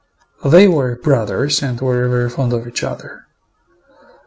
They were brothers and were very fond of each other.